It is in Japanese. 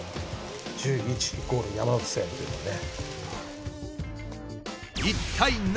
１１イコール山手線というね。